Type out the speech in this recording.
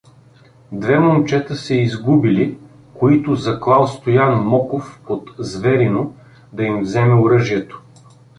Две момчета се изгубили, които заклал Стоян Моков от Зверино, да им вземе оръжието.